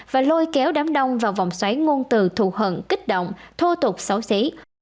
và lôi kéo đám đông vào vòng xoáy ngôn từ thù hận kích động thô tục xấu xí